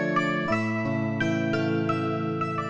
ke rumah kita bisa bekerja